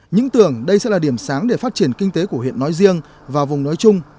những tưởng đây sẽ là điểm sáng để phát triển kinh tế của huyện nói riêng và vùng nói chung